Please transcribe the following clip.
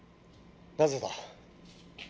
なぜだ？